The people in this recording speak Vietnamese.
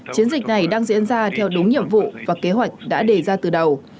chiến dịch này đang diễn ra theo đúng nhiệm vụ và kế hoạch đã đề ra từ đầu